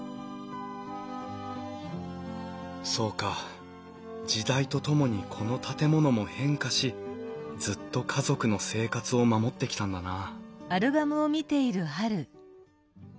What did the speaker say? そうか時代とともにこの建物も変化しずっと家族の生活を守ってきたんだな